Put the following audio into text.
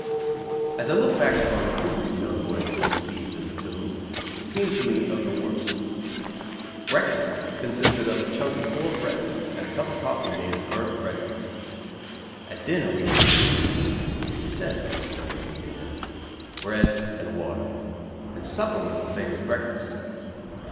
As I look back upon the food these young boys received in the tombs, it seems to me of the worst. Breakfast consisted of a chunk of poor bread and a cup of coffee made of burnt bread crust. At dinner we had soup (they said, at least, there was meat in it), bread and water; and supper was the same as breakfast.